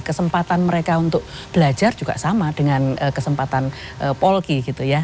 kesempatan mereka untuk belajar juga sama dengan kesempatan polki gitu ya